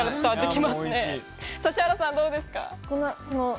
指原さん、どうですか？